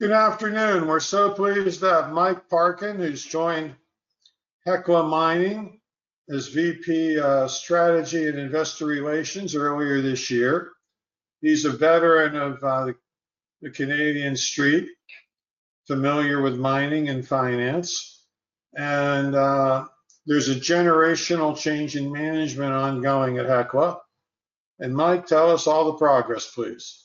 Good afternoon. We're so pleased that Mike Parkin has joined Hecla Mining as VP of Strategy and Investor Relations earlier this year. He's a veteran of the Canadian street, familiar with mining and finance. There's a generational change in management ongoing at Hecla. Mike, tell us all the progress, please.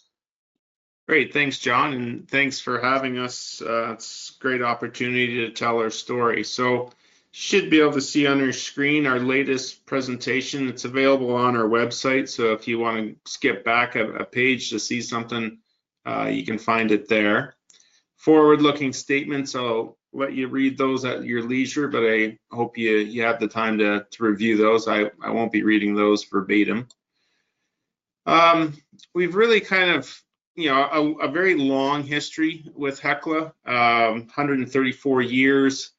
Great. Thanks, John, and thanks for having us. It's a great opportunity to tell our story. You should be able to see on your screen our latest presentation. It's available on our website. If you want to skip back a page to see something, you can find it there. Forward-looking statements, I'll let you read those at your leisure, but I hope you have the time to review those. I won't be reading those verbatim. We've really kind of, you know, a very long history with Hecla, 134 years,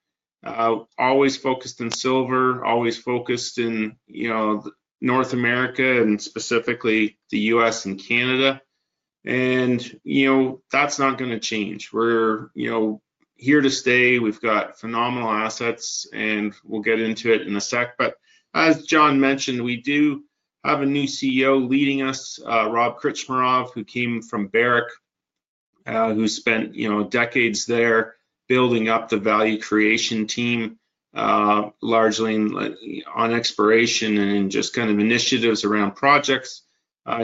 always focused in silver, always focused in, you know, North America and specifically the U.S. and Canada. You know, that's not going to change. We're here to stay. We've got phenomenal assets, and we'll get into it in a sec. As John mentioned, we do have a new CEO leading us, Rob Krcmarov, who came from Barrick, who spent, you know, decades there building up the value creation team, largely on exploration and just kind of initiatives around projects.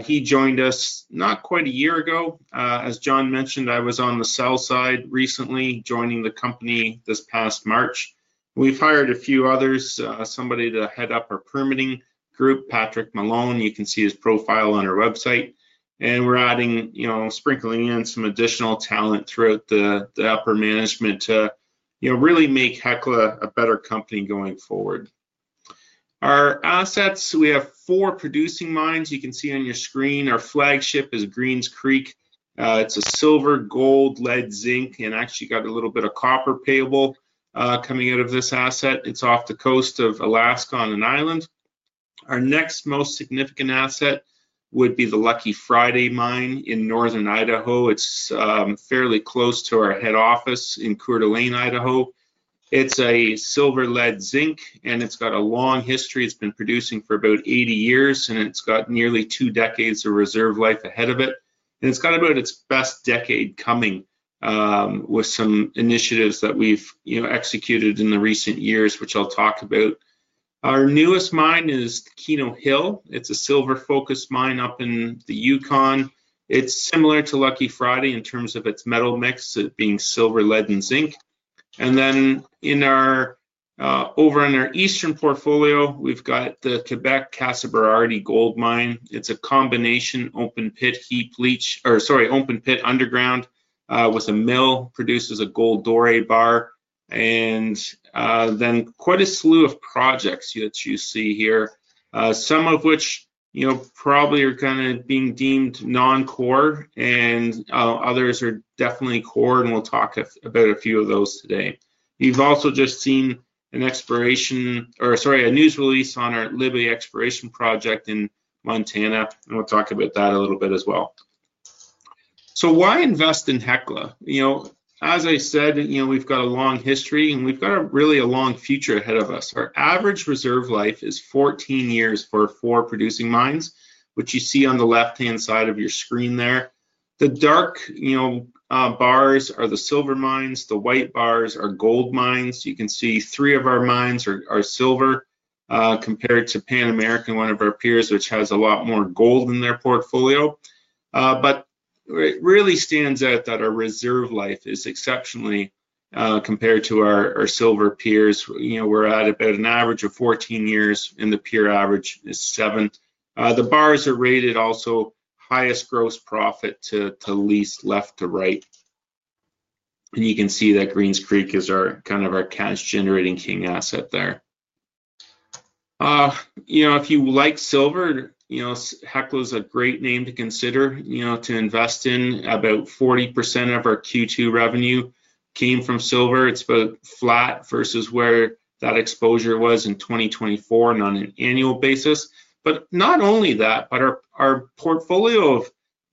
He joined us not quite a year ago. As John mentioned, I was on the sell side recently, joining the company this past March. We've hired a few others, somebody to head up our permitting group, Patrick Malone. You can see his profile on our website. We're adding, you know, sprinkling in some additional talent throughout the upper management to really make Hecla a better company going forward. Our assets, we have four producing mines. You can see on your screen, our flagship is Greens Creek. It's a silver, gold, lead, zinc, and actually got a little bit of copper payable coming out of this asset. It's off the coast of Alaska on an island. Our next most significant asset would be the Lucky Friday mine in northern Idaho. It's fairly close to our head office in Coeur d'Alene, Idaho. It's a silver, lead, zinc, and it's got a long history. It's been producing for about 80 years, and it's got nearly two decades of reserve life ahead of it. It's got about its best decade coming with some initiatives that we've executed in the recent years, which I'll talk about. Our newest mine is Keno Hill. It's a silver-focused mine up in the Yukon. It's similar to Lucky Friday in terms of its metal mix, it being silver, lead, and zinc. Over in our eastern portfolio, we've got the Quebec Casa Berardi Gold Mine. It's a combination open pit underground with a mill, produces a gold doreé bar. Quite a slew of projects that you see here, some of which probably are kind of being deemed non-core, and others are definitely core, and we'll talk about a few of those today. We've also just seen a news release on our Libby Exploration project in Montana, and we'll talk about that a little bit as well. Why invest in Hecla? As I said, we've got a long history, and we've got a really long future ahead of us. Our average reserve life is 14 years for our four producing mines, which you see on the left-hand side of your screen there. The dark bars are the silver mines. The white bars are gold mines. You can see three of our mines are silver compared to Pan American, one of our peers, which has a lot more gold in their portfolio. It really stands out that our reserve life is exceptional compared to our silver peers. We're at about an average of 14 years, and the peer average is seven. The bars are rated also highest gross profit to least left to right. You can see that Greens Creek is kind of our cash-generating king asset there. If you like silver, Hecla is a great name to consider to invest in. About 40% of our Q2 revenue came from silver. It's about flat versus where that exposure was in 2024 and on an annual basis. Not only that, but our portfolio of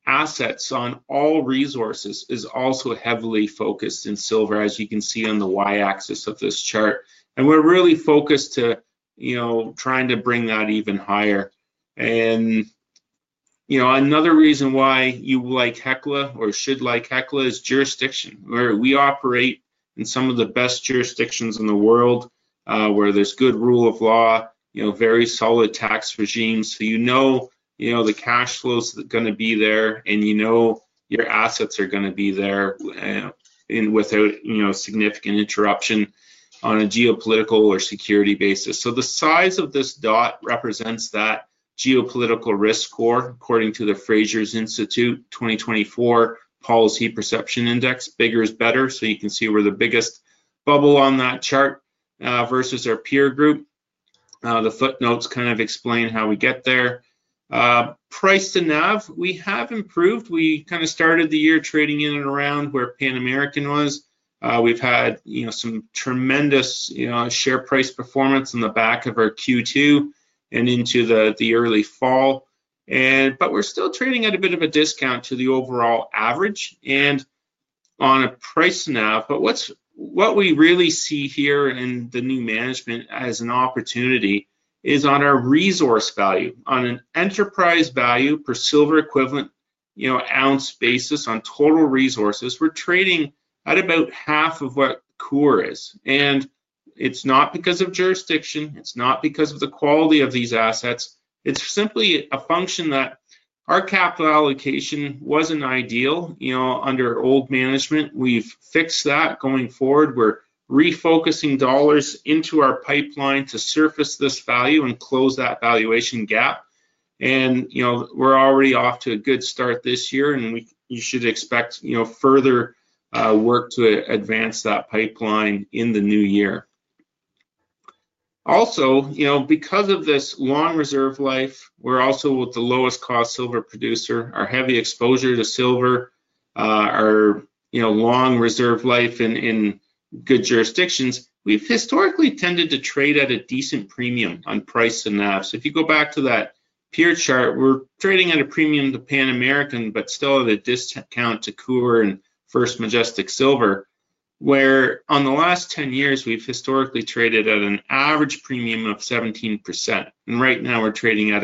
assets on all resources is also heavily focused in silver, as you can see on the y-axis of this chart. We're really focused to trying to bring that even higher. Another reason why you like Hecla or should like Hecla is jurisdiction. We operate in some of the best jurisdictions in the world, where there's good rule of law, very solid tax regimes. You know the cash flow is going to be there, and you know your assets are going to be there without significant interruption on a geopolitical or security basis. The size of this dot represents that geopolitical risk score, according to the Fraser Institute 2024 Policy Perception Index. Bigger is better. You can see we're the biggest bubble on that chart versus our peer group. The footnotes explain how we get there. P/NAV, we have improved. We kind of started the year trading in and around where Pan American was. We've had some tremendous share price performance in the back of our Q2 and into the early fall. We're still trading at a bit of a discount to the overall average and on a price now. What we really see here in the new management as an opportunity is on our resource value. On an enterprise value per silver equivalent ounce basis on total resources, we're trading at about half of what Coeur is. It's not because of jurisdiction. It's not because of the quality of these assets. It's simply a function that our capital allocation wasn't ideal under old management. We've fixed that going forward. We're refocusing dollars into our pipeline to surface this value and close that valuation gap. We're already off to a good start this year, and you should expect further work to advance that pipeline in the new year. Also, because of this long reserve life, we're also the lowest cost silver producer. Our heavy exposure to silver, our long reserve life in good jurisdictions, we've historically tended to trade at a decent premium on P/NAV. If you go back to that peer chart, we're trading at a premium to Pan American, but still at a discount to Coeur and First Majestic Silver, where on the last 10 years, we've historically traded at an average premium of 17%. Right now, we're trading at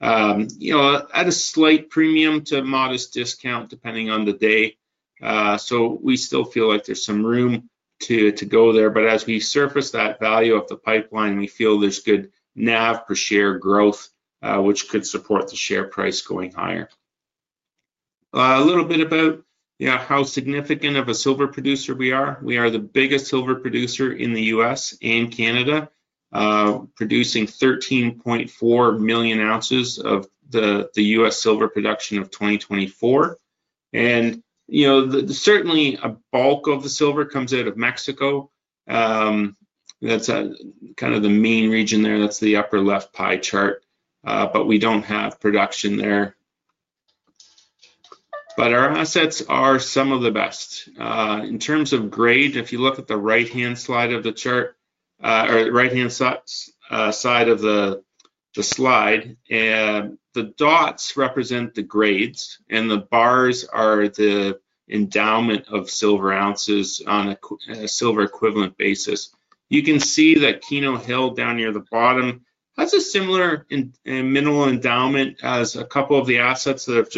a slight premium to a modest discount depending on the day. We still feel like there's some room to go there. As we surface that value of the pipeline, we feel there's good NAV per share growth, which could support the share price going higher. A little bit about how significant of a silver producer we are. We are the biggest silver producer in the U.S. and Canada, producing 13.4 Moz of the U.S. silver production of 2024. Certainly, a bulk of the silver comes out of Mexico. That's kind of the main region there. That's the upper left pie chart. We don't have production there, but our assets are some of the best. In terms of grade, if you look at the right-hand side of the chart, or the right-hand side of the slide, the dots represent the grades, and the bars are the endowment of silver ounces on a silver equivalent basis. You can see that Keno Hill down near the bottom, that's a similar mineral endowment as a couple of the assets that have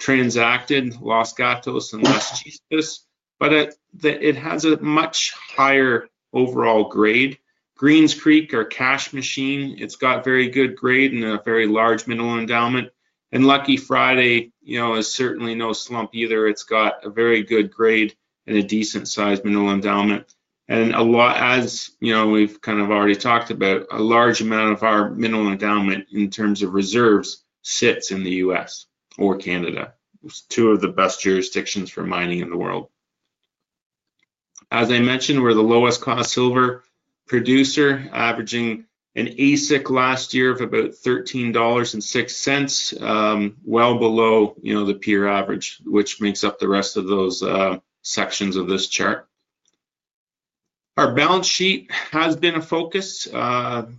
just recently transacted, Los Gatos and Las Chispas. It has a much higher overall grade. Greens Creek, our cash machine, it's got very good grade and a very large mineral endowment. Lucky Friday, you know, is certainly no slump either. It's got a very good grade and a decent size mineral endowment. As you know, we've kind of already talked about a large amount of our mineral endowment in terms of reserves sits in the U.S. or Canada. It's two of the best jurisdictions for mining in the world. As I mentioned, we're the lowest cost silver producer, averaging an AISC last year of about $13.06, well below the peer average, which makes up the rest of those sections of this chart. Our balance sheet has been a focus.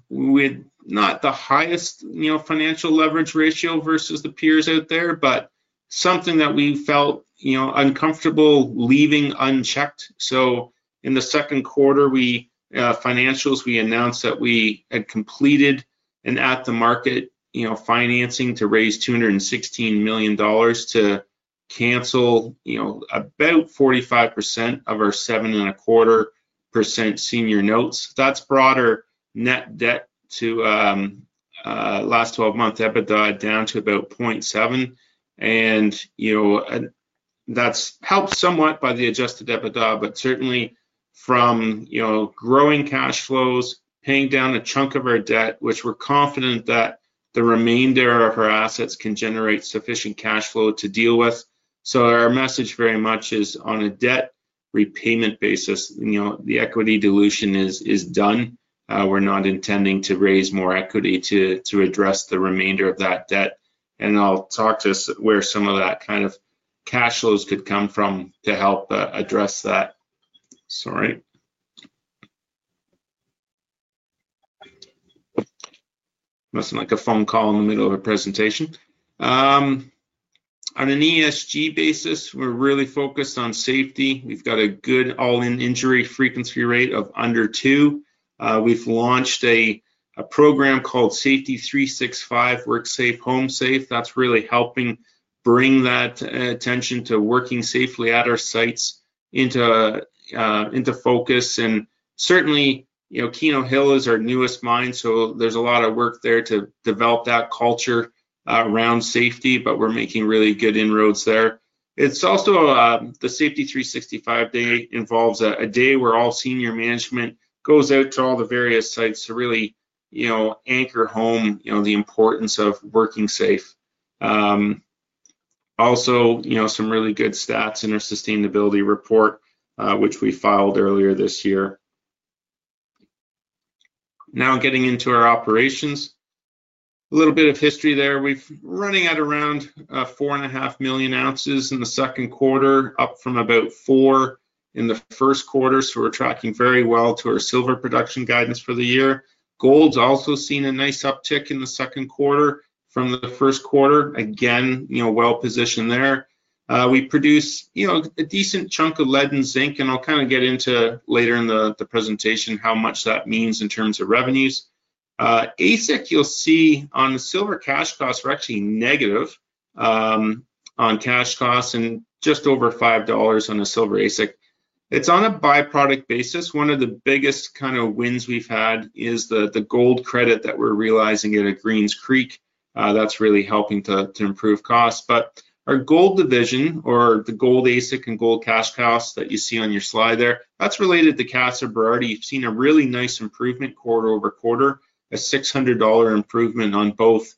We had not the highest financial leverage ratio versus the peers out there, but something that we felt uncomfortable leaving unchecked. In the second quarter, financials, we announced that we had completed an at-the-market financing to raise $216 million to cancel about 45% of our 7.25% senior notes. That’s brought our net debt to last 12-month EBITDA down to about 0.7x. That’s helped somewhat by the adjusted EBITDA, but certainly from growing cash flows, paying down a chunk of our debt, which we're confident that the remainder of our assets can generate sufficient cash flow to deal with. Our message very much is on a debt repayment basis. The equity dilution is done. We're not intending to raise more equity to address the remainder of that debt. I'll talk to where some of that kind of cash flows could come from to help address that. Sorry. It wasn't like a phone call in the middle of a presentation. On an ESG basis, we're really focused on safety. We've got a good all-in injury frequency rate of under two. We've launched a program called Safety 365 – Work Safe, Home Safe. That's really helping bring that attention to working safely at our sites into focus. Certainly, Keno Hill is our newest mine, so there's a lot of work there to develop that culture around safety, but we're making really good inroads there. The Safety 365 Day involves a day where all senior management goes out to all the various sites to really anchor home the importance of working safe. Also, some really good stats in our sustainability report, which we filed earlier this year. Now getting into our operations, a little bit of history there. We're running at around 4.5 Moz in the second quarter, up from about 4 Moz in the first quarter. We're tracking very well to our silver production guidance for the year. Gold's also seen a nice uptick in the second quarter from the first quarter. Again, you know, well positioned there. We produce, you know, a decent chunk of lead and zinc, and I'll kind of get into later in the presentation how much that means in terms of revenues. AISC, you'll see on the silver cash costs, we're actually negative on cash costs and just over $5 on a silver AISC. It's on a byproduct basis. One of the biggest kind of wins we've had is the gold credit that we're realizing at Greens Creek. That's really helping to improve costs. Our gold division or the gold AISC and gold cash costs that you see on your slide there, that's related to Casa Berardi. You've seen a really nice improvement quarter-over-quarter, a $600 improvement on both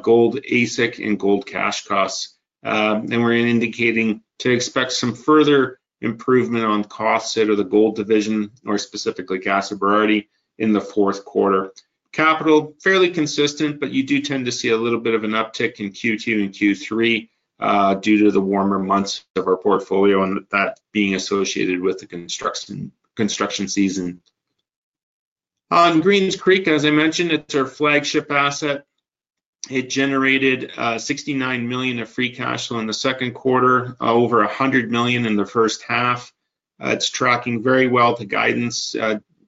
gold AISC and gold cash costs. We're indicating to expect some further improvement on cost out of the gold division or specifically Casa Berardi in the fourth quarter. Capital fairly consistent, but you do tend to see a little bit of an uptick in Q2 and Q3 due to the warmer months of our portfolio and that being associated with the construction season. On Greens Creek, as I mentioned, it's our flagship asset. It generated $69 million of free cash flow in the second quarter, over $100 million in the first half. It's tracking very well to guidance.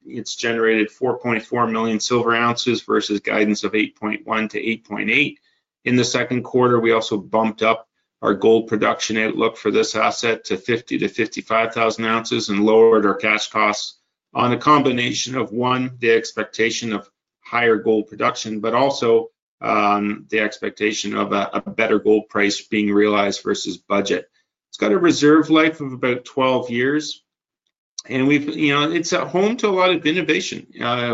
It's generated 4.4 Moz Ag versus guidance of 8.1 Moz-8.8 Moz in the second quarter. We also bumped up our gold production outlook for this asset to 50,000 oz-55,000 oz and lowered our cash costs on a combination of one, the expectation of higher gold production, but also the expectation of a better gold price being realized versus budget. It's got a reserve life of about 12 years. It's a home to a lot of innovation.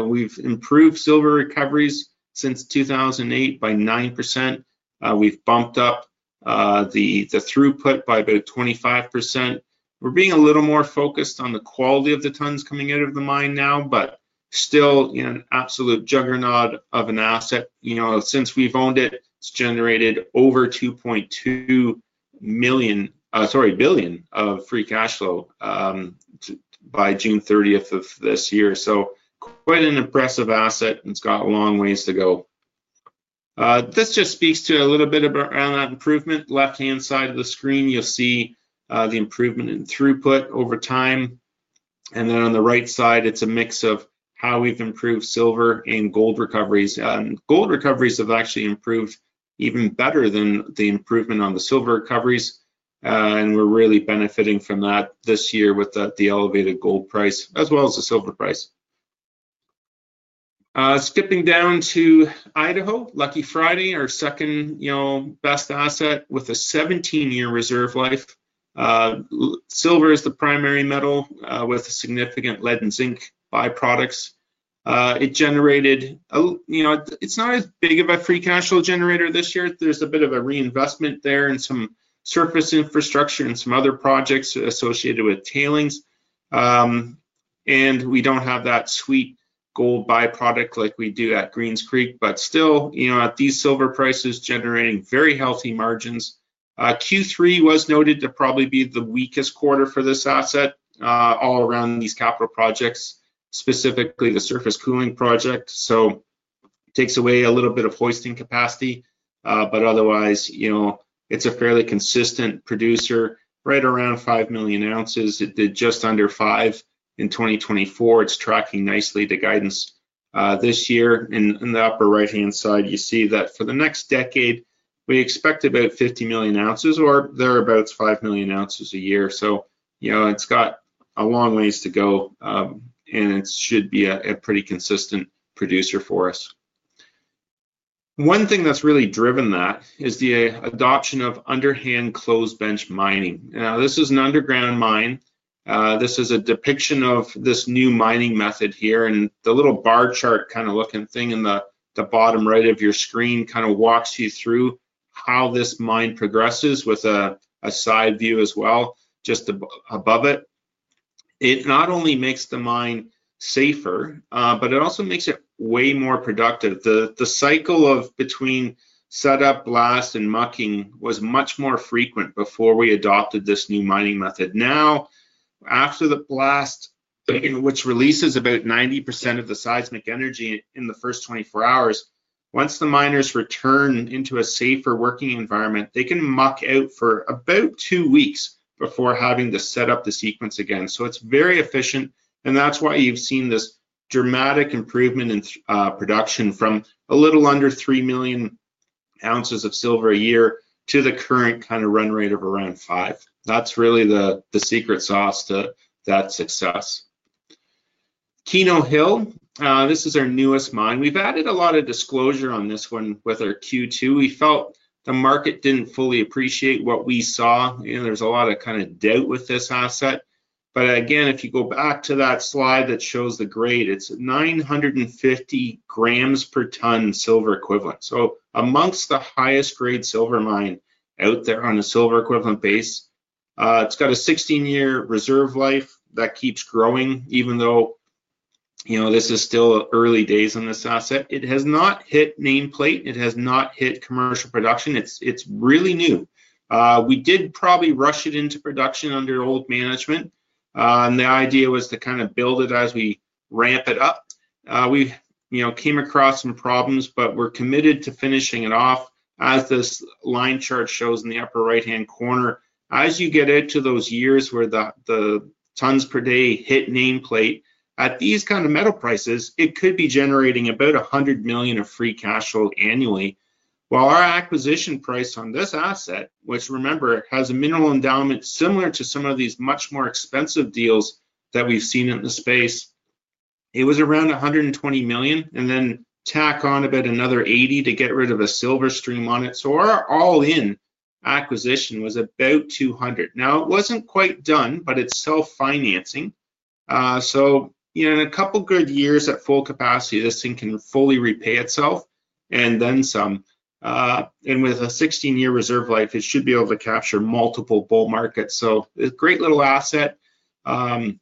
We've improved silver recoveries since 2008 by 9%. We've bumped up the throughput by about 25%. We're being a little more focused on the quality of the tons coming out of the mine now, but still, you know, an absolute juggernaut of an asset. Since we've owned it, it's generated over $2.2 billion of free cash flow by June 30th, 2025. Quite an impressive asset. It's got a long ways to go. This just speaks to a little bit around that improvement. Left-hand side of the screen, you'll see the improvement in throughput over time. On the right side, it's a mix of how we've improved silver and gold recoveries. Gold recoveries have actually improved even better than the improvement on the silver recoveries. We're really benefiting from that this year with the elevated gold price as well as the silver price. Skipping down to Idaho, Lucky Friday, our second best asset with a 17-year reserve life. Silver is the primary metal with significant lead and zinc byproducts. It generated, it's not as big of a free cash flow generator this year. There's a bit of a reinvestment there and some surface infrastructure and some other projects associated with tailings. We don't have that sweet gold byproduct like we do at Greens Creek, but still, at these silver prices generating very healthy margins. Q3 was noted to probably be the weakest quarter for this asset all around these capital projects, specifically the surface cooling project. It takes away a little bit of hoisting capacity, but otherwise, it's a fairly consistent producer right around 5 Moz. It did just under 5 Moz in 2024. It's tracking nicely to guidance this year. In the upper right-hand side, you see that for the next decade, we expect about 50 Moz or thereabouts, 5 Moz a year. It's got a long ways to go, and it should be a pretty consistent producer for us. One thing that's really driven that is the adoption of Underhand Closed Bench mining. This is an underground mine. This is a depiction of this new mining method here. The little bar chart kind of looking thing in the bottom right of your screen kind of walks you through how this mine progresses with a side view as well, just above it. It not only makes the mine safer, but it also makes it way more productive. The cycle of between setup, blast, and mucking was much more frequent before we adopted this new mining method. Now, after the blast, which releases about 90% of the seismic energy in the first 24 hours, once the miners return into a safer working environment, they can muck out for about two weeks before having to set up the sequence again. It's very efficient. That's why you've seen this dramatic improvement in production from a little under 3 Moz of silver a year to the current kind of run rate of around 5 Moz. That's really the secret sauce to that success. Keno Hill, this is our newest mine. We've added a lot of disclosure on this one with our Q2. We felt the market didn't fully appreciate what we saw. There is a lot of kind of doubt with this asset. If you go back to that slide that shows the grade, it's 950 g/ton AgEq. Amongst the highest grade silver mine out there on a silver equivalent basis, it's got a 16-year reserve life that keeps growing, even though this is still early days on this asset. It has not hit nameplate. It has not hit commercial production. It's really new. We did probably rush it into production under old management. The idea was to kind of build it as we ramp it up. We've come across some problems, but we're committed to finishing it off, as this line chart shows in the upper right-hand corner. As you get out to those years where the tons per day hit nameplate, at these kind of metal prices, it could be generating about $100 million of free cash flow annually. Our acquisition price on this asset, which remember, it has a mineral endowment similar to some of these much more expensive deals that we've seen in the space, was around $120 million, and then tack on about another $80 million to get rid of a silver stream on it. Our all-in acquisition was about $200 million. It wasn't quite done, but it's self-financing. In a couple of years at full capacity, this thing can fully repay itself and then some. With a 16-year reserve life, it should be able to capture multiple bull markets. A great little asset. IRR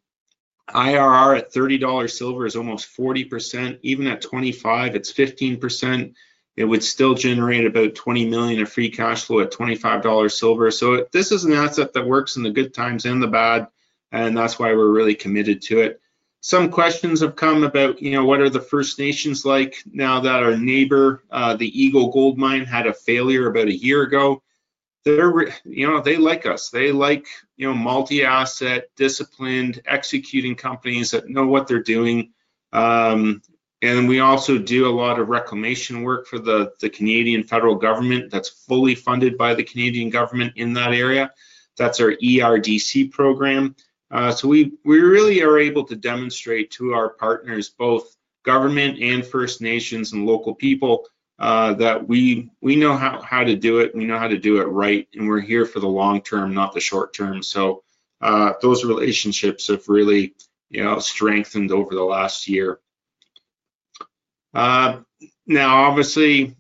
at $30 silver is almost 40%. Even at $25, it's 15%. It would still generate about $20 million of free cash flow at $25 silver. This is an asset that works in the good times and the bad, and that's why we're really committed to it. Some questions have come about what are the First Nations like now that our neighbor, the Eagle Gold Mine, had a failure about a year ago. They like us. They like multi-asset, disciplined, executing companies that know what they're doing. We also do a lot of reclamation work for the Canadian federal government that's fully funded by the Canadian government in that area. That's our ERDC program. We really are able to demonstrate to our partners, both government and First Nations and local people, that we know how to do it. We know how to do it right. We're here for the long term, not the short term. Those relationships have really strengthened over the last year. Now, obviously,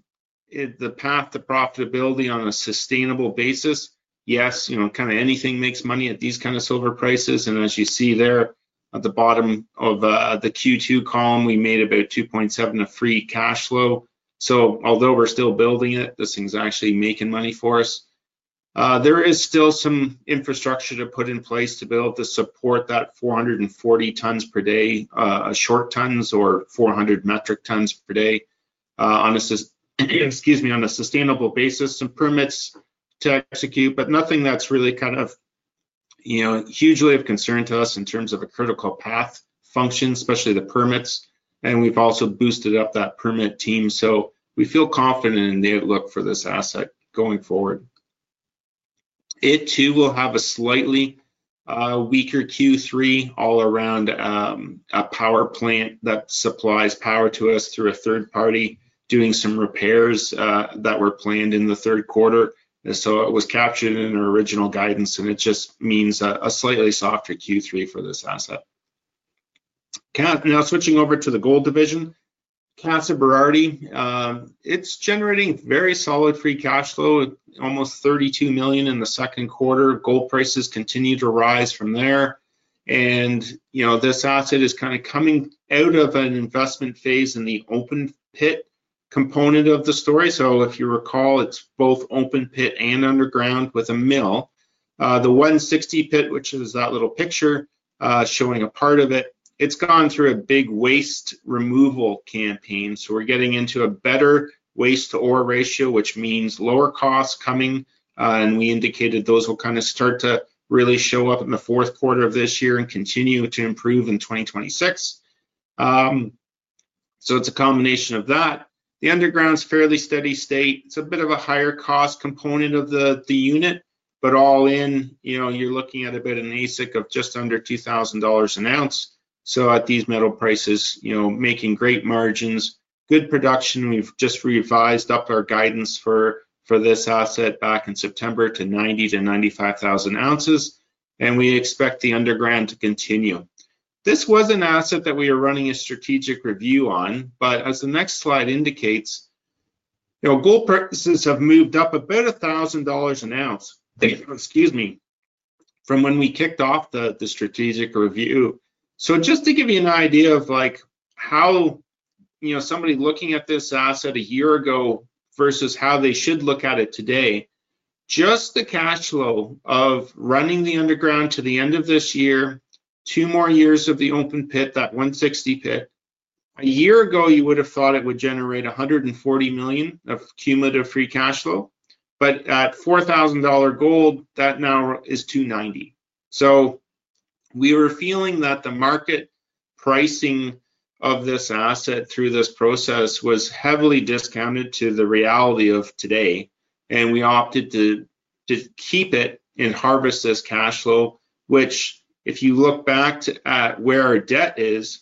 the path to profitability on a sustainable basis, yes, you know, kind of anything makes money at these kind of silver prices. As you see there at the bottom of the Q2 column, we made about $2.7 million of free cash flow. Although we're still building it, this thing's actually making money for us. There is still some infrastructure to put in place to be able to support that 440 tons per day, short tons, or 400 metric tons per day on a, excuse me, on a sustainable basis, some permits to execute, but nothing that's really, you know, hugely of concern to us in terms of a critical path function, especially the permits. We've also boosted up that permit team. We feel confident in the outlook for this asset going forward. It too will have a slightly weaker Q3 all around a power plant that supplies power to us through a third party doing some repairs that were planned in the third quarter. It was captured in our original guidance, and it just means a slightly softer Q3 for this asset. Now, switching over to the gold division, Casa Berardi, it's generating very solid free cash flow, almost $32 million in the second quarter. Gold prices continue to rise from there. This asset is kind of coming out of an investment phase in the open pit component of the story. If you recall, it's both open pit and underground with a mill. The 160 Pit, which is that little picture showing a part of it, has gone through a big waste removal campaign. We're getting into a better waste-to-ore ratio, which means lower costs coming. We indicated those will kind of start to really show up in the fourth quarter of this year and continue to improve in 2026. It's a combination of that. The underground's fairly steady state. It's a bit of a higher cost component of the unit, but all in, you know, you're looking at about an AISC of just under $2,000 an ounce. At these metal prices, you know, making great margins, good production. We've just revised up our guidance for this asset back in September to 90 Koz-95 Koz. We expect the underground to continue. This was an asset that we were running a strategic review on, but as the next slide indicates, gold prices have moved up about $1,000 an ounce, excuse me, from when we kicked off the strategic review. Just to give you an idea of how somebody looking at this asset a year ago versus how they should look at it today, just the cash flow of running the underground to the end of this year, two more years of the open pit, that 160 Pit, a year ago, you would have thought it would generate $140 million of cumulative free cash flow. At $4,000 gold, that now is $290 million. We were feeling that the market pricing of this asset through this process was heavily discounted to the reality of today. We opted to keep it and harvest this cash flow, which if you look back at where our debt is,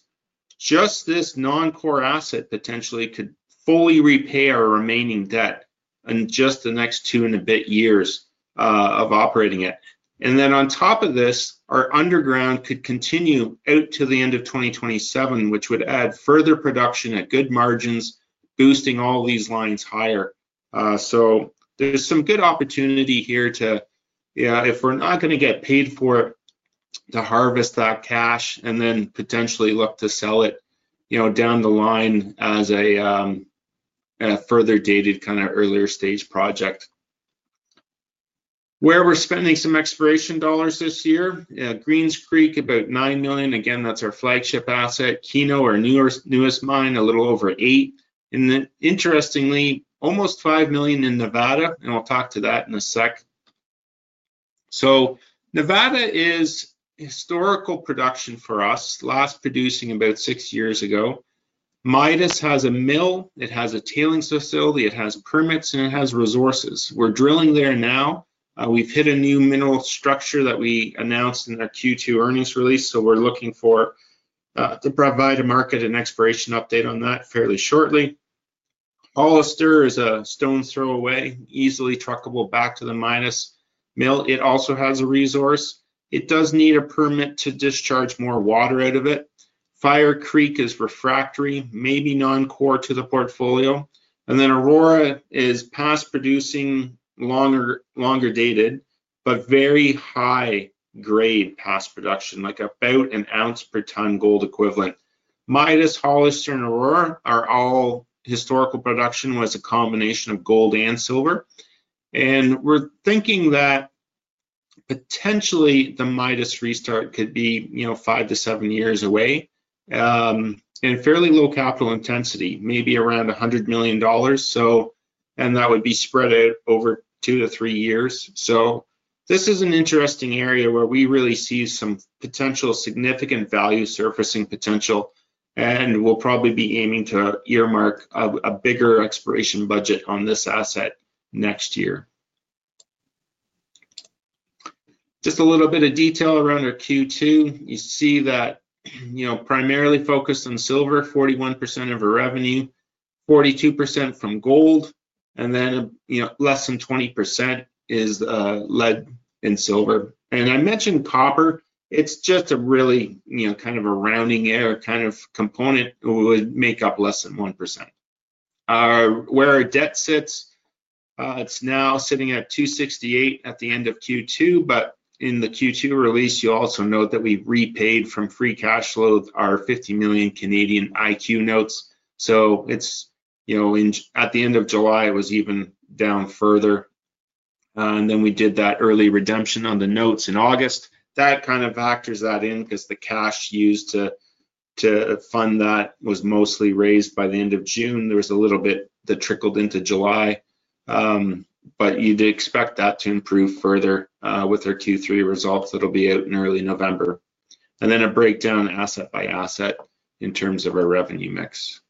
just this non-core asset potentially could fully repay our remaining debt in just the next two and a bit years of operating it. On top of this, our underground could continue out to the end of 2027, which would add further production at good margins, boosting all these lines higher. There's some good opportunity here to, if we're not going to get paid for it, harvest that cash and then potentially look to sell it down the line as a further dated kind of earlier stage project. We're spending some exploration dollars this year. Greens Creek, about $9 million. Again, that's our flagship asset. Keno Hill, our newest mine, a little over $8 million. Interestingly, almost $5 million in Nevada. We'll talk to that in a sec. Nevada is historical production for us, last producing about six years ago. Midas has a mill. It has a tailings facility. It has permits, and it has resources. We're drilling there now. We've hit a new mineral structure that we announced in that Q2 earnings release. We're looking to provide a market and exploration update on that fairly shortly. Hollister is a stone's throw away, easily truckable back to the Midas Mill. It also has a resource. It does need a permit to discharge more water out of it. Fire Creek is refractory, maybe non-core to the portfolio. Aurora is past producing, longer dated, but very high-grade past production, like about an ounce per ton gold equivalent. Midas, Hollister, and Aurora are all historical production with a combination of gold and silver. We're thinking that potentially the Midas restart could be five to seven years away and fairly low capital intensity, maybe around $100 million. That would be spread out over two to three years. This is an interesting area where we really see some potential significant value surfacing potential. We'll probably be aiming to earmark a bigger exploration budget on this asset next year. Just a little bit of detail around our Q2. You see that, you know, primarily focused on silver, 41% of our revenue, 42% from gold, and then, you know, less than 20% is lead and zinc. I mentioned copper. It's just a really, you know, kind of a rounding error kind of component. It would make up less than 1%. Where our debt sits, it's now sitting at $268 million at the end of Q2. In the Q2 release, you also note that we repaid from free cash flow our $50 million Canadian IQ Notes. At the end of July, it was even down further. We did that early redemption on the notes in August. That kind of factors that in because the cash used to fund that was mostly raised by the end of June. There was a little bit that trickled into July. You'd expect that to improve further with our Q3 results. It'll be out in early November. A breakdown asset by asset in terms of our revenue mix.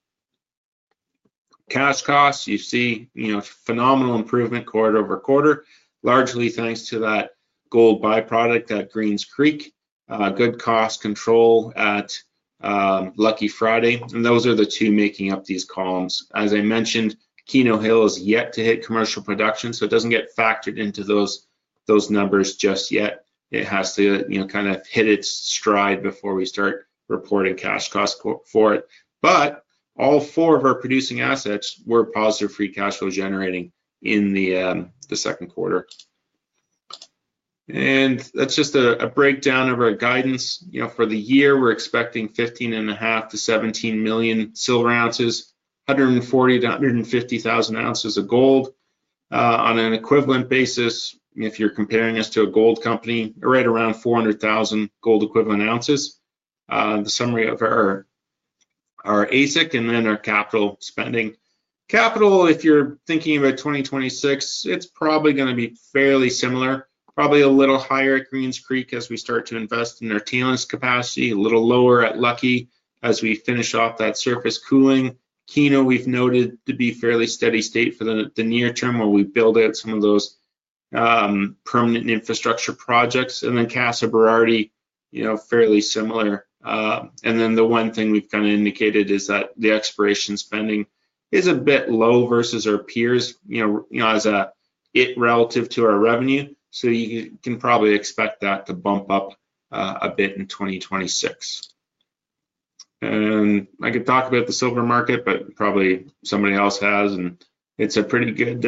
Cash costs, you see, you know, phenomenal improvement quarter-over-quarter, largely thanks to that gold byproduct at Greens Creek, good cost control at Lucky Friday. Those are the two making up these columns. As I mentioned, Keno Hill is yet to hit commercial production, so it doesn't get factored into those numbers just yet. It has to, you know, kind of hit its stride before we start reporting cash costs for it. All four of our producing assets were positive free cash flow generating in the second quarter. That's just a breakdown of our guidance. For the year, we're expecting 15.5 Moz Ag-17 Moz Ag, 140 Koz Au-150 Koz Au on an equivalent basis. If you're comparing us to a gold company, right around 400,000 gold-equivalent ounces. The summary of our AISC and then our capital spending. Capital, if you're thinking about 2026, it's probably going to be fairly similar, probably a little higher at Greens Creek as we start to invest in their tailings capacity, a little lower at Lucky Friday as we finish off that surface cooling. Keno Hill, we've noted to be fairly steady state for the near term while we build out some of those permanent infrastructure projects. Casa Berardi, you know, fairly similar. The one thing we've kind of indicated is that the exploration spending is a bit low versus our peers, you know, as a relative to our revenue. You can probably expect that to bump up a bit in 2026. I could talk about the silver market, but probably somebody else has, and it's a pretty good,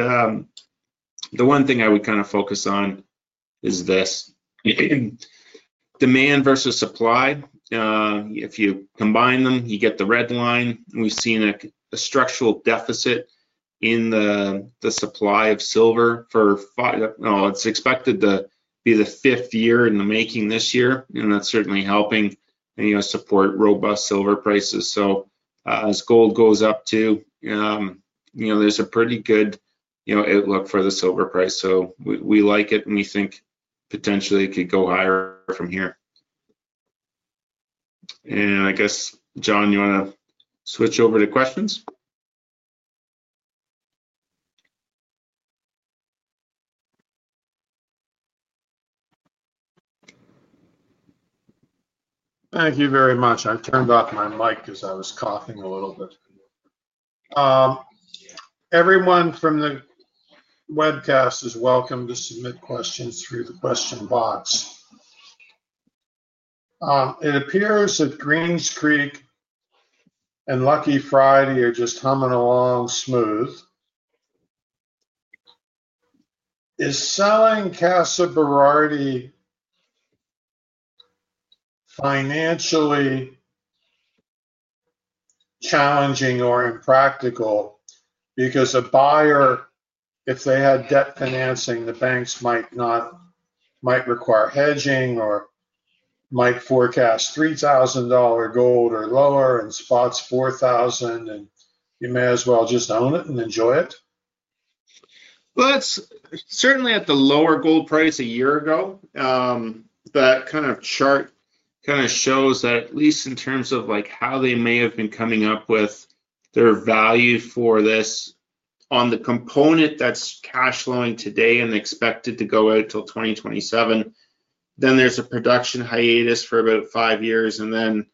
the one thing I would kind of focus on is this demand versus supply. If you combine them, you get the red line. We've seen a structural deficit in the supply of silver for, well, it's expected to be the fifth year in the making this year, and that's certainly helping support robust silver prices. As gold goes up too, there's a pretty good outlook for the silver price. We like it, and we think potentially it could go higher from here. I guess, John, you want to switch over to questions? Thank you very much. I turned off my mic because I was coughing a little bit. Everyone from the webcast is welcome to submit questions through the question box. It appears that Greens Creek and Lucky Friday are just humming along smooth. Is selling Casa Berardi financially challenging or impractical? Because a buyer, if they had debt financing, the banks might not, might require hedging or might forecast $3,000 gold or lower and spot's $4,000 gold, and you may as well just own it and enjoy it. At the lower gold price a year ago, that kind of chart shows that at least in terms of how they may have been coming up with their value for this on the component that's cash flowing today and expected to go out till 2027. There is a production hiatus for about five years, and then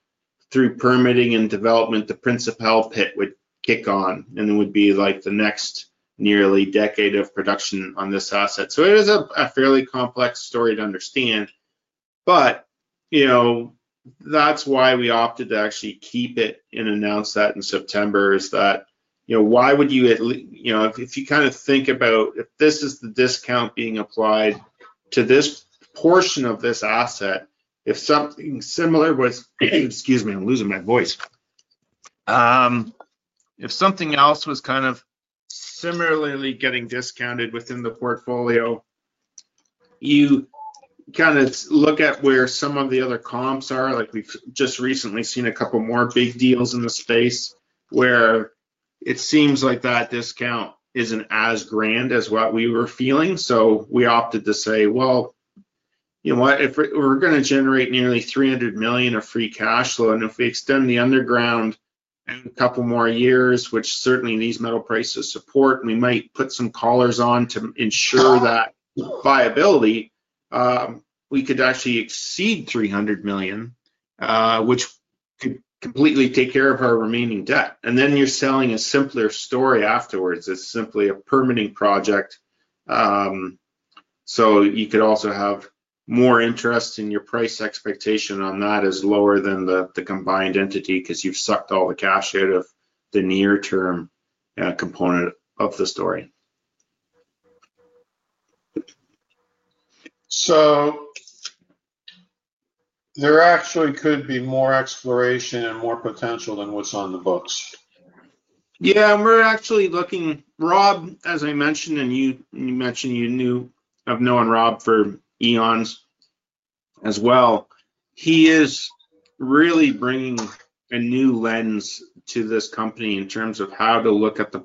through permitting and development, the Principal Pit would kick on, and it would be like the next nearly decade of production on this asset. It is a fairly complex story to understand. That is why we opted to actually keep it and announce that in September. If you think about if this is the discount being applied to this portion of this asset, if something else was similarly getting discounted within the portfolio, you look at where some of the other comps are. We've just recently seen a couple more big deals in the space where it seems like that discount isn't as grand as what we were feeling. We opted to say, if we're going to generate nearly $300 million of free cash flow, and if we extend the underground a couple more years, which certainly these metal prices support, we might put some collars on to ensure that viability, we could actually exceed $300 million, which could completely take care of our remaining debt. Then you're selling a simpler story afterwards. It's simply a permitting project. You could also have more interest in your price expectation on that as lower than the combined entity because you've sucked all the cash out of the near-term component of the story. There actually could be more exploration and more potential than what's on the books. Yeah, and we're actually looking, Rob, as I mentioned, and you mentioned you knew, I've known Rob for eons as well. He is really bringing a new lens to this company in terms of how to look at the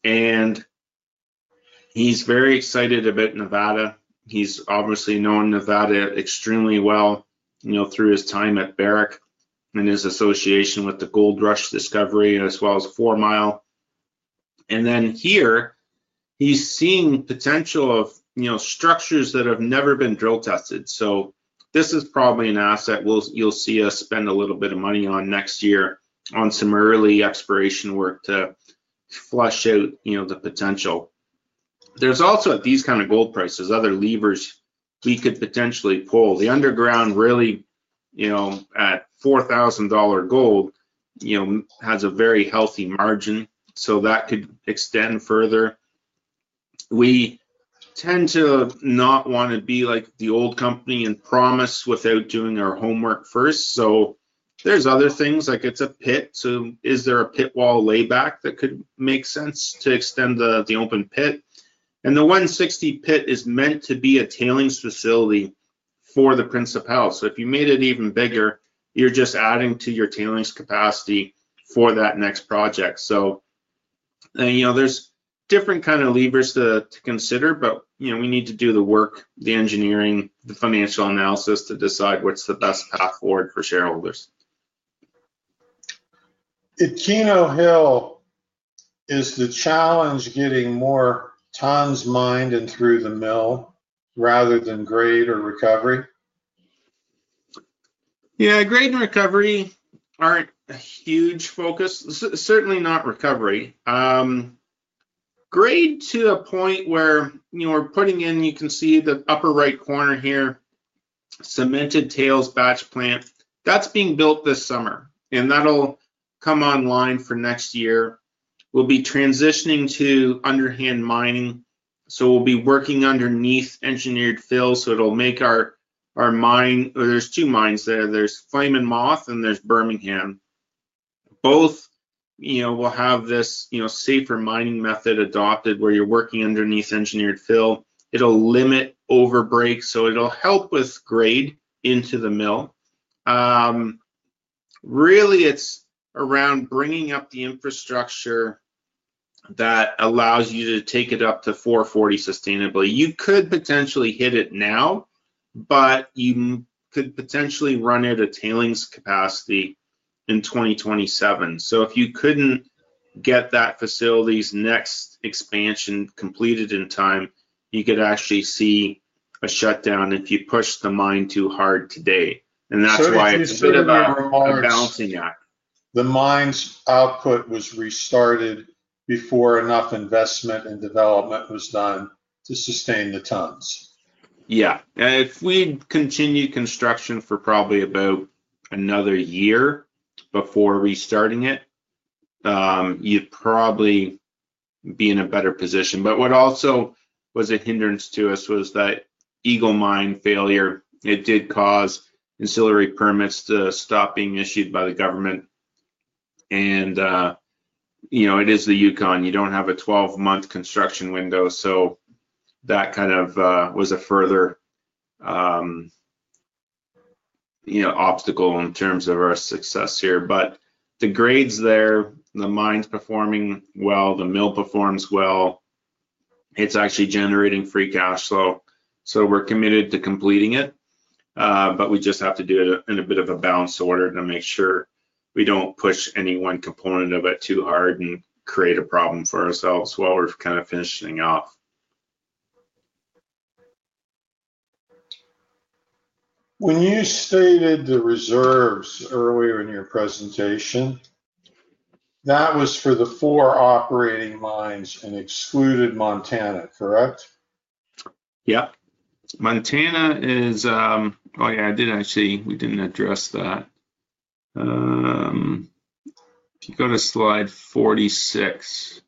portfolios, makeup, and the allocation and the potential. He's very excited about Nevada. He's obviously known Nevada extremely well through his time at Barrick and his association with the Goldrush Discovery as well as Fourmile. Here, he's seen potential of structures that have never been drill tested. This is probably an asset you'll see us spend a little bit of money on next year on some early exploration work to flush out the potential. There's also at these kind of gold prices, other levers we could potentially pull. The underground really, at $4,000 gold, has a very healthy margin. That could extend further. We tend to not want to be like the old company and promise without doing our homework first. There are other things like it's a pit. Is there a pit wall layback that could make sense to extend the open pit? The 160 Pit is meant to be a tailings facility for the principal. If you made it even bigger, you're just adding to your tailings capacity for that next project. There are different kind of levers to consider, but we need to do the work, the engineering, the financial analysis to decide what's the best path forward for shareholders. Did Keno Hill, is the challenge getting more tons mined and through the mill rather than grade or recovery? Yeah, grade and recovery aren't a huge focus, certainly not recovery. Grade to a point where you are putting in, you can see the upper right corner here, cemented tails batch plant. That's being built this summer, and that'll come online for next year. We'll be transitioning to underhand mining. We'll be working underneath engineered fills. It'll make our mine, or there's two mines there. There's Flame and Moth and there's Bermingham. Both will have this safer mining method adopted where you're working underneath engineered fill. It'll limit overbreak, so it'll help with grade into the mill. Really, it's around bringing up the infrastructure that allows you to take it up to 440 tons sustainably. You could potentially hit it now, but you could potentially run out of tailings capacity in 2027. If you couldn't get that facility's next expansion completed in time, you could actually see a shutdown if you push the mine too hard today. That's why it's a bit about balancing that. The mine's output was restarted before enough investment and development was done to sustain the tons. Yeah, if we continue construction for probably about another year before restarting it, you'd probably be in a better position. What also was a hindrance to us was that Eagle Mine failure. It did cause ancillary permits to stop being issued by the government. You know, it is the Yukon. You don't have a 12-month construction window. That kind of was a further obstacle in terms of our success here. The grades there, the mine's performing well. The mill performs well. It's actually generating free cash flow. We're committed to completing it. We just have to do it in a bit of a balanced order to make sure we don't push any one component of it too hard and create a problem for ourselves while we're kind of finishing off. When you stated the reserves earlier in your presentation, that was for the four operating mines and excluded Montana, correct? Yep. Montana is, oh yeah, I did actually, we didn't address that. Go to slide 46.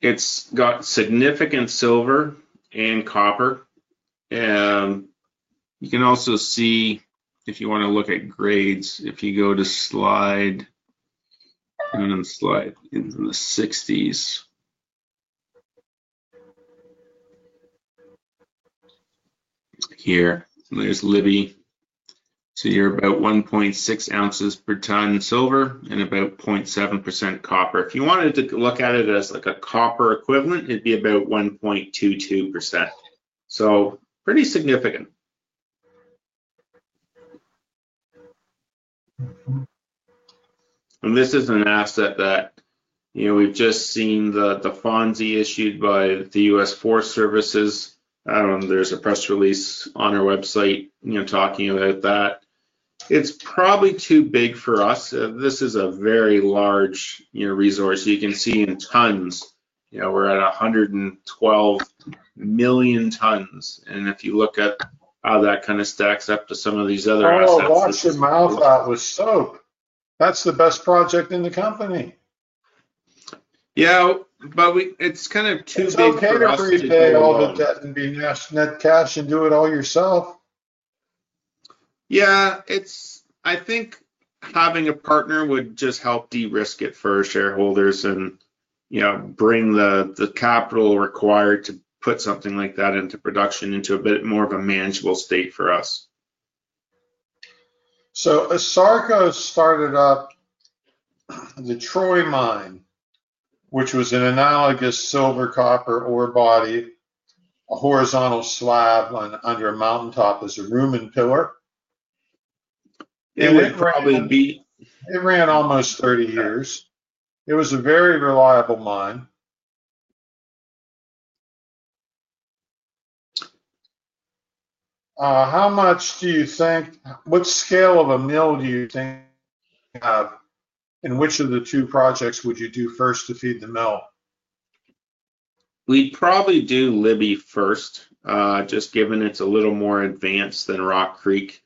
It's got significant silver and copper. You can also see if you want to look at grades, if you go to slide, and I'm slide in the 60s. Here, there's Libby. So you're about 1.6 oz/ton Ag and about 0.7% copper. If you wanted to look at it as like a copper equivalent, it'd be about 1.22%. Pretty significant. This is an asset that, you know, we've just seen the FONSI issued by the U.S. Forest Service. There's a press release on our website, you know, talking about that. It's probably too big for us. This is a very large, you know, resource. You can see in tons, you know, we're at 112 million tons. If you look at how that kind of stacks up to some of these other assets. Oh, I lost my mouth. That's the best project in the company. Yeah, but it's kind of too big to pay all the debt And be net cash and do it all yourself. I think having a partner would just help de-risk it for our shareholders and, you know, bring the capital required to put something like that into production into a bit more of a manageable state for us. [Assarco] started up the Troy mine, which was an analogous silver copper ore body, a horizontal slab on your mountaintop as a room and pillar. It went probably deep. It ran almost 30 years. It was a very reliable mine. How much do you think, what scale of a mill do you think you have, and which of the two projects would you do first to feed the mill? We'd probably do Libby first, just given it's a little more advanced than Rock Creek.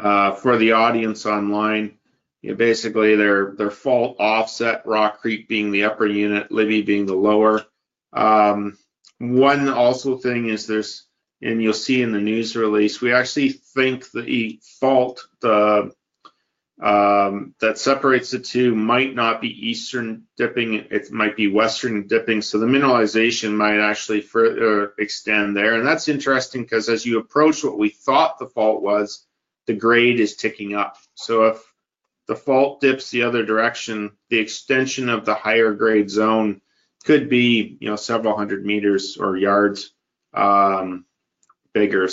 For the audience online, you basically, they're fault offset, Rock Creek being the upper unit, Libby being the lower. One thing is there's, and you'll see in the news release, we actually think the fault that separates the two might not be eastern dipping. It might be western dipping. The mineralization might actually further extend there. That's interesting because as you approach what we thought the fault was, the grade is ticking up. If the fault dips the other direction, the extension of the higher grade zone could be several hundred meters or yards bigger.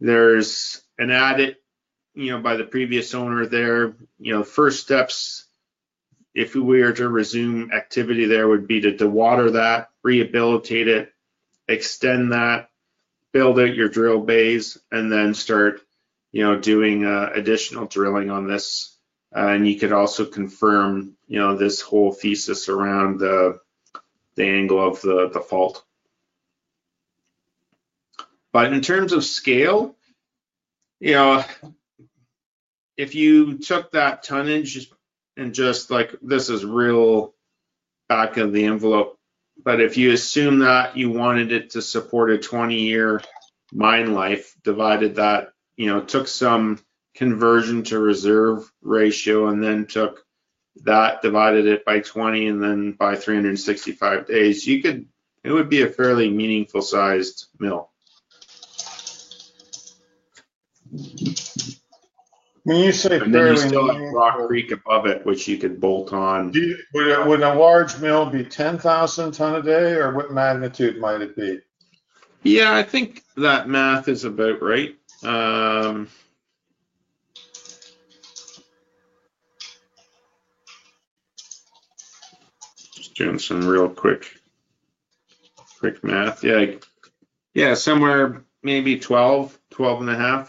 There's an added, by the previous owner there, the first steps, if we were to resume activity there, would be to dewater that, rehabilitate it, extend that, build out your drill bays, and then start doing additional drilling on this. You could also confirm this whole thesis around the angle of the fault. In terms of scale, if you took that tonnage and just like, this is real back of the envelope, if you assume that you wanted it to support a 20-year mine life, divided that, took some conversion to reserve ratio and then took that, divided it by 20 and then by 365 days, it would be a fairly meaningful sized mill. When you say fairly meaningful sized. You're still in Rock Creek above it, which you could bolt on. Would a large mill be 10,000 ton a day, or what magnitude might it be? Yeah, I think that math is about right. Just doing some real quick math. Yeah, somewhere maybe $12 million, $12.5 million.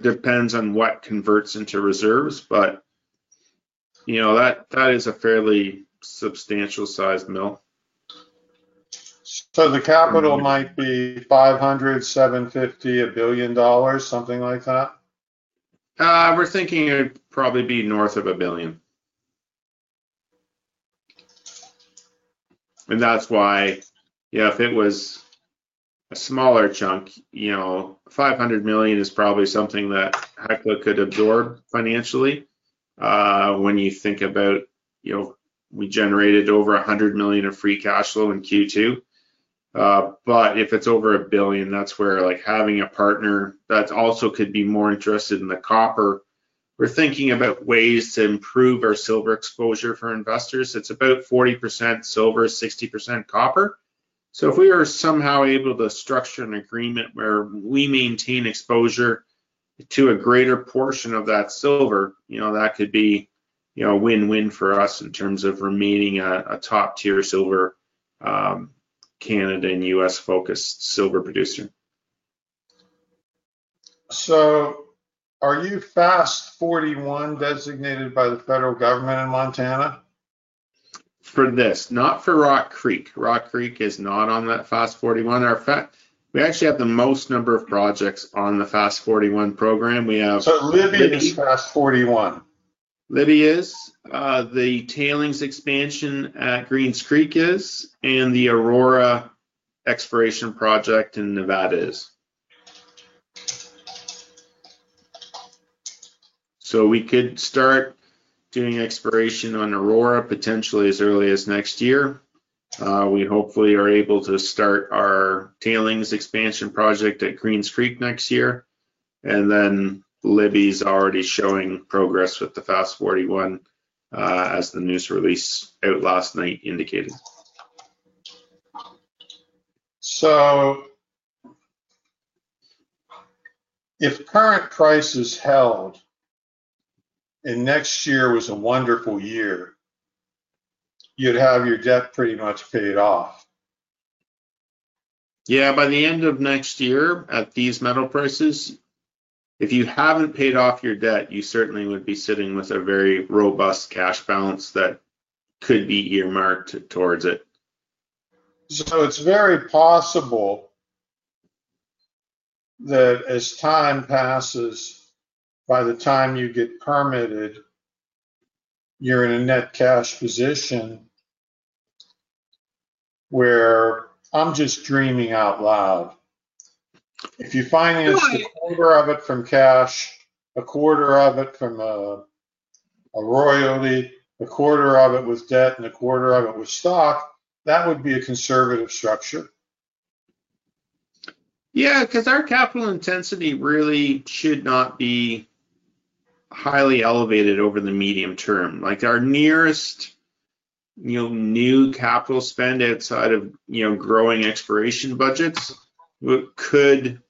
Depends on what converts into reserves, but you know, that is a fairly substantial sized mill. The capital might be $500 million, $750 million, $1 billion, something like that? We're thinking it'd probably be north of $1 billion. That's why, yeah, if it was a smaller chunk, you know, $500 million is probably something that Hecla could absorb financially. When you think about, you know, we generated over $100 million of free cash flow in Q2. If it's over $1 billion, that's where having a partner that also could be more interested in the copper. We're thinking about ways to improve our silver exposure for investors. It's about 40% silver, 60% copper. If we are somehow able to structure an agreement where we maintain exposure to a greater portion of that silver, you know, that could be a win-win for us in terms of remaining a top-tier silver, Canada and U.S. focused silver producer. Are you FAST-41 designated by the federal government in Montana? For this, not for Rock Creek. Rock Creek is not on that FAST-41. In fact, we actually have the most number of projects on the FAST-41 program. We have. Libby is FAST-41. Libby is, the tailings expansion at Greens Creek is, and the Aurora exploration project in Nevada is. We could start doing exploration on Aurora potentially as early as next year. We hopefully are able to start our tailings expansion project at Greens Creek next year. Libby's already showing progress with the FAST-41, as the news release out last night indicated. If current prices held and next year was a wonderful year, you'd have your debt pretty much paid off. Yeah, by the end of next year at these metal prices, if you haven't paid off your debt, you certainly would be sitting with a very robust cash balance that could be earmarked towards it. It is very possible that as time passes, by the time you get permitted, you're in a net cash position. I'm just dreaming out loud. If you financed a quarter of it from cash, a quarter of it from a royalty, a quarter of it with debt, and a quarter of it with stock, that would be a conservative structure. Yeah, because our capital intensity really should not be highly elevated over the medium term. Our nearest new capital spend outside of growing exploration budgets could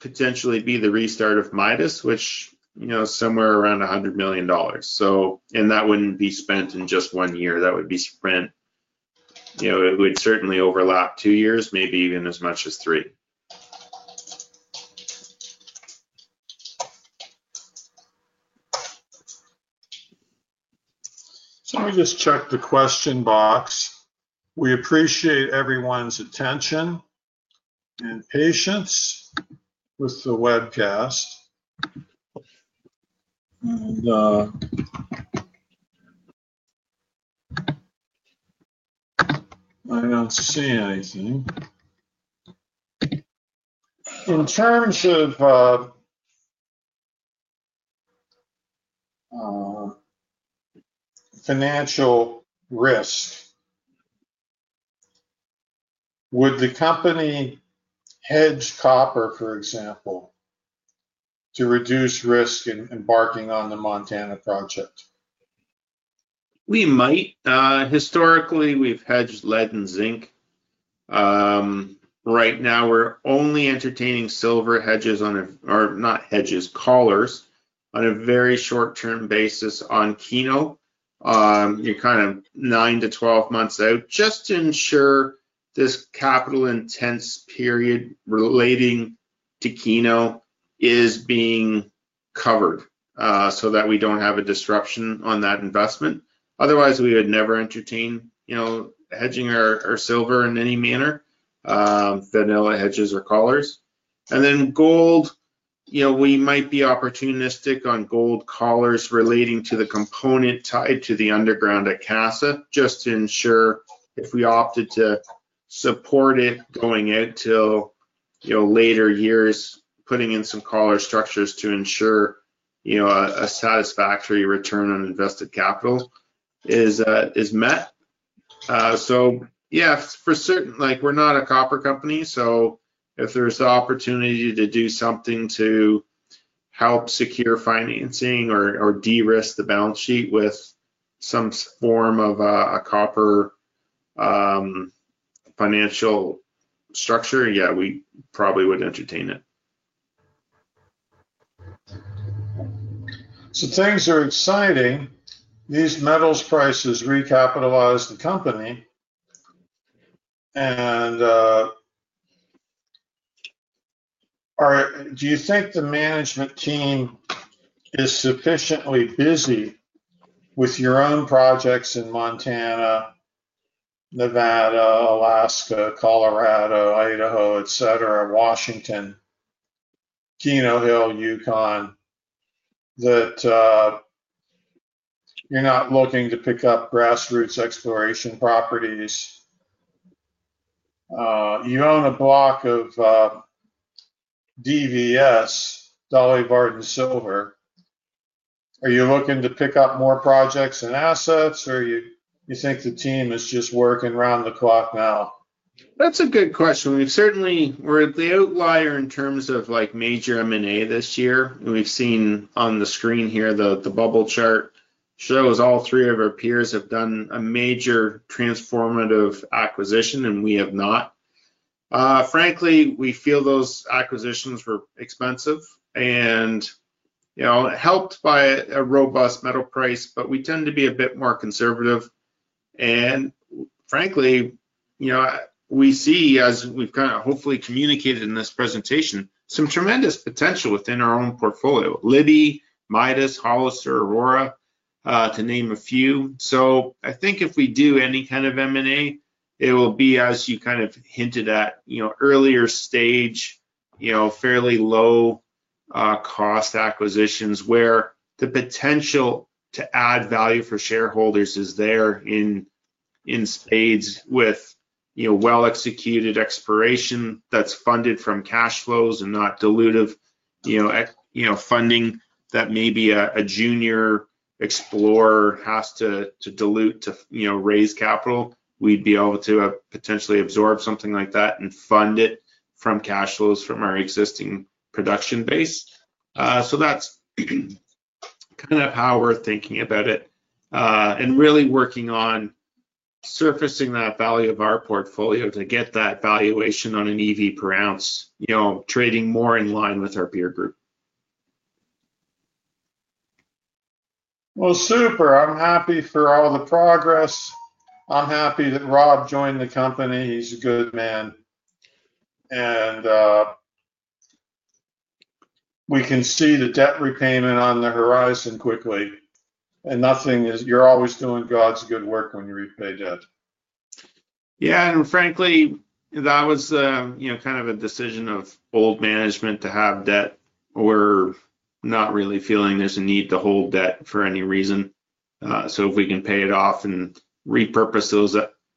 potentially be the restart of Midas, which is somewhere around $100 million. That wouldn't be spent in just one year. That would be spent, it would certainly overlap two years, maybe even as much as three. Let me just check the question box. We appreciate everyone's attention and patience with the webcast. I don't see anything. In terms of financial risk, would the company hedge copper, for example, to reduce risk in embarking on the Montana project? We might. Historically, we've hedged lead and zinc. Right now, we're only entertaining silver hedges, or not hedges, collars on a very short-term basis on Keno. You're kind of 9 months-12 months out just to ensure this capital intense period relating to Keno Hill is being covered so that we don't have a disruption on that investment. Otherwise, we would never entertain, you know, hedging our silver in any manner, vanilla hedges or collars. Gold, you know, we might be opportunistic on gold collars relating to the component tied to the underground at Casa, just to ensure if we opted to support it going out till, you know, later years, putting in some collar structures to ensure, you know, a satisfactory return on invested capital is met. For certain, like we're not a copper company, so if there's an opportunity to do something to help secure financing or de-risk the balance sheet with some form of a copper financial structure, we probably would entertain it. Things are exciting. These metals prices recapitalize the company. Do you think the management team is sufficiently busy with your own projects in Montana, Nevada, Alaska, Colorado, Idaho, Washington, Keno Hill, Yukon, that you're not looking to pick up grassroots exploration properties? You own a block of Dolly Varden Silver. Are you looking to pick up more projects and assets, or do you think the team is just working around the clock now? That's a good question. We've certainly, we're the outlier in terms of major M&A this year. We've seen on the screen here the bubble chart shows all three of our peers have done a major transformative acquisition, and we have not. Frankly, we feel those acquisitions were expensive and, you know, helped by a robust metal price, but we tend to be a bit more conservative. Frankly, we see, as we've kind of hopefully communicated in this presentation, some tremendous potential within our own portfolio, Libby, Midas, Hollister, Aurora, to name a few. I think if we do any kind of M&A, it will be, as you kind of hinted at, earlier stage, fairly low-cost acquisitions where the potential to add value for shareholders is there in spades with well-executed exploration that's funded from cash flows and not dilutive funding that maybe a junior explorer has to dilute to raise capital. We'd be able to potentially absorb something like that and fund it from cash flows from our existing production base. That's kind of how we're thinking about it and really working on surfacing that value of our portfolio to get that valuation on an [EV per ounce], trading more in line with our peer group. I'm happy for all the progress. I'm happy that Rob joined the company. He's a good man. We can see the debt repayment on the horizon quickly. You're always doing God's good work when you repay debt. Frankly, that was kind of a decision of old management to have debt. We're not really feeling there's a need to hold debt for any reason. If we can pay it off and repurpose those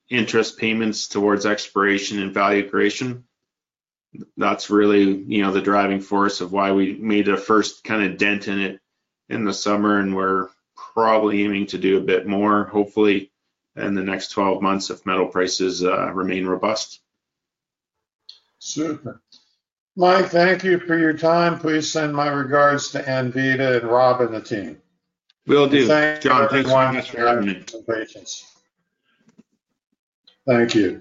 interest payments towards exploration and value creation, that's really the driving force of why we made a first kind of dent in it in the summer. We're probably aiming to do a bit more, hopefully, in the next 12 months if metal prices remain robust. Super. Mike, thank you for your time. Please send my regards to Anvita and Rob and the team. Will do. John, thanks for having me. Thank you.